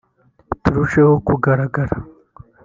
“Turusheho kugaragaza